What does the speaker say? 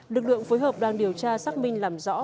lực lượng phối hợp đang điều tra xác minh làm rõ